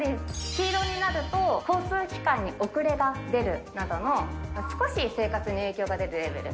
黄色になると、交通機関に遅れが出るなどの少し生活に影響が出るレベル。